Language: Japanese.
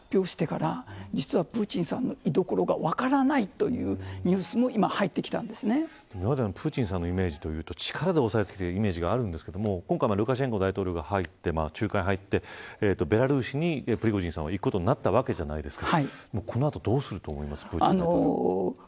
緊急声明を発表してから実はプーチンさんの居所が分からないというニュースも今までのプーチンさんのイメージでいうと力で押さえつけるイメージがあるんですが今回、ルカシェンコ大統領が仲介に入ってベラルーシにプリゴジンさんはいくことになったわけじゃないですか。